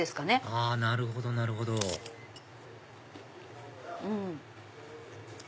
あなるほどなるほどうん。